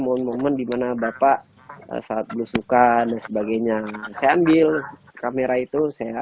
momen momen dimana bapak saat belusukan dan sebagainya saya ambil kamera itu saya